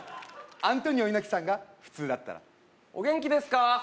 アントニオ猪木さんが普通だったらお元気ですか？